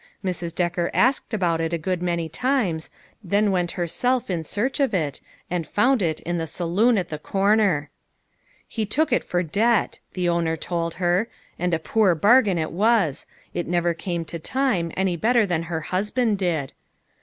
Mrs. Decker asked about it a good many times, then went herself in searcli of it, and found it in the saloon at the corner. " He took it for debt," the owner told her, and a poor bargain it was ; it never came to time, any better than her husband did.